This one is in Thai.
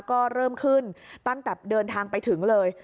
ก็เริ่มขึ้นตั้งแต่เดินทางไปถึงเลย